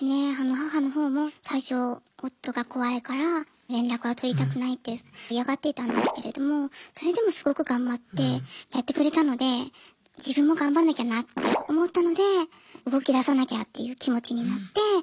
母の方も最初夫が怖いから連絡は取りたくないって嫌がっていたんですけれどもそれでもすごく頑張ってやってくれたので自分も頑張んなきゃなって思ったので動きださなきゃっていう気持ちになって。